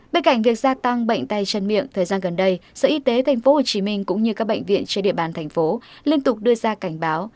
bên cạnh việc gia tăng bệnh tay chân miệng thời gian gần đây sở y tế tp hcm cũng như các bệnh viện trên địa bàn thành phố liên tục đưa ra cảnh báo